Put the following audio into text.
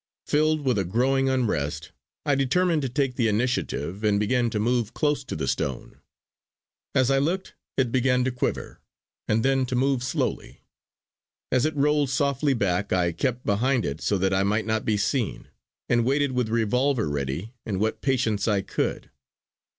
Filled with a growing unrest, I determined to take the initiative, and began to move close to the stone. As I looked, it began to quiver, and then to move slowly. As it rolled softly back I kept behind it so that I might not be seen; and waited with revolver ready and what patience I could.